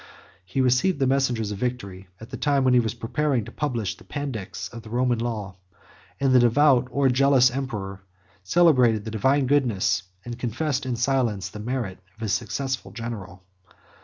He received the messengers of victory at the time when he was preparing to publish the Pandects of the Roman laws; and the devout or jealous emperor celebrated the divine goodness, and confessed, in silence, the merit of his successful general.